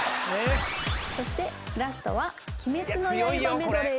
そしてラストは。